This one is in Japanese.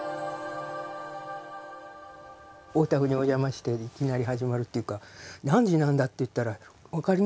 お宅にお邪魔していきなり始まるっていうか何時なんだっていったら分かりました？